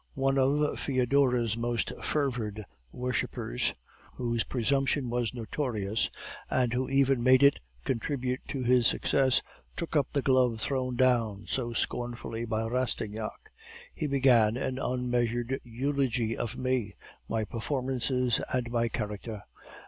"One of Foedora's most fervid worshipers, whose presumption was notorious, and who even made it contribute to his success, took up the glove thrown down so scornfully by Rastignac. He began an unmeasured eulogy of me, my performances, and my character.